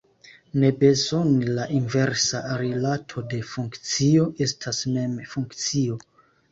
Ne bezone la inversa rilato de funkcio estas mem funkcio.